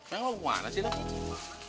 yang lo kemana sih lo